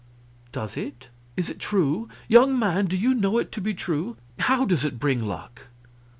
"Does it? Is it true? Young man, do you know it to be true? How does it bring luck?"